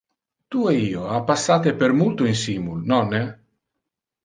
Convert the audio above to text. Tu e io ha passate per multo insimul, nonne?